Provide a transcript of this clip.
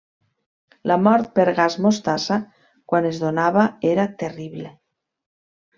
La mort per gas mostassa, quan es donava, era terrible.